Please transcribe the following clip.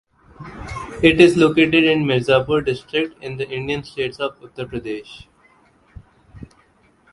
It is located in Mirzapur district in the Indian state of Uttar Pradesh.